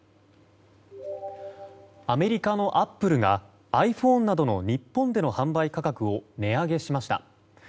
アメリカのアップルがｉＰｈｏｎｅなどの日本での販売価格を値上げしました。